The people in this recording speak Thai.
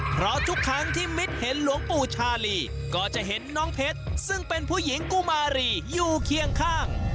เพราะทุกครั้งที่มิตรเห็นหลวงปู่ชาลีก็จะเห็นน้องเพชรซึ่งเป็นผู้หญิงกุมารีอยู่เคียงข้าง